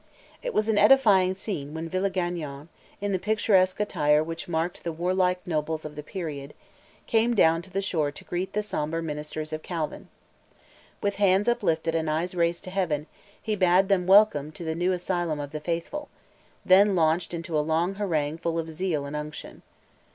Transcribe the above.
It was an edifying scene when Villegagnon, in the picturesque attire which marked the warlike nobles of the period, came down to the shore to greet the sombre ministers of Calvin. With hands uplifted and eyes raised to heaven, he bade them welcome to the new asylum of the faithful; then launched into a long harangue full of zeal and unction.